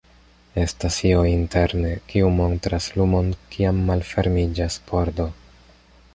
Estas io interne, kiu montras lumon kiam malfermiĝas pordo.